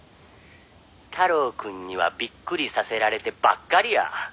「太郎くんにはびっくりさせられてばっかりや」